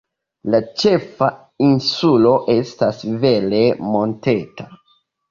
La ĉefa insulo estas vere monteta.